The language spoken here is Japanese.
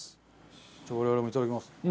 じゃあ我々もいただきます。